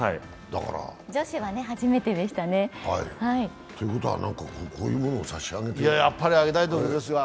女子は初めてでしたね。ということは、こういうものを差し上げて。